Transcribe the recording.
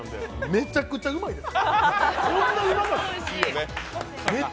めちゃくちゃうまいです。